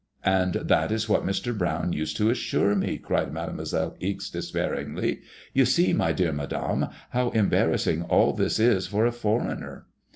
*''* And that is what Mr. Brown used to assure me," cried Made moiselle Ixe, despairingly. '* You see, my dear Madame, how em barrassing all this is for a foreigner."